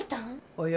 およ